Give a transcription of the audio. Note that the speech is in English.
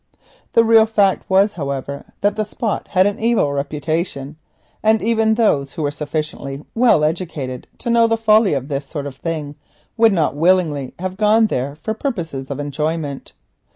The real fact was, however, that the spot had an evil reputation, and even those who were sufficiently well educated to know the folly of this sort of thing would not willingly have gone there for purposes of enjoyment.